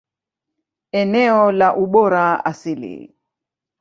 Eneo la ubora asili.